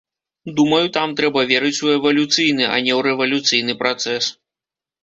Думаю, там трэба верыць у эвалюцыйны, а не ў рэвалюцыйны працэс.